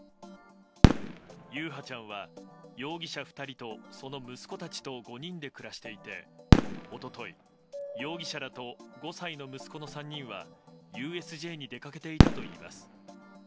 優陽ちゃんは容疑者２人とその息子たちと５人で暮らしていて一昨日容疑者らと５歳の息子の３人はＵＳＪに出かけていたといいます。